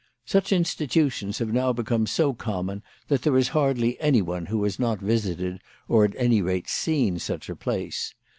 Such institutions have now become so common that there is hardly any one who has not visited or at any rate seen such a place.